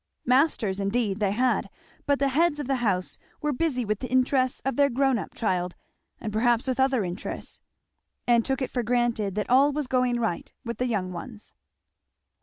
Masters indeed they had; but the heads of the house were busy with the interests of their grown up child, and perhaps with other interests; and took it for granted that all was going right with the young ones.